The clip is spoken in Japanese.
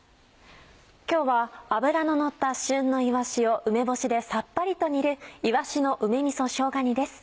今日は脂ののった旬のいわしを梅干しでさっぱりと煮る「いわしの梅みそしょうが煮」です。